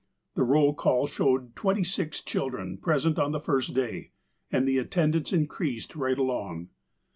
The roll call showed twenty six children present on the first day, and the attendance increased right along.